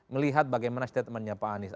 melihat bagaimana statementnya pak anies